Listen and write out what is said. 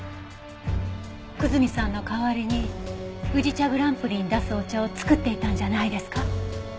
久住さんの代わりに宇治茶グランプリに出すお茶を作っていたんじゃないですか？